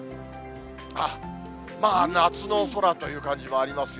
まあ夏の空という感じもありますよ。